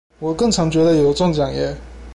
我更常覺得有中獎耶